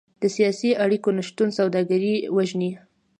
د سیاسي اړیکو نشتون سوداګري وژني.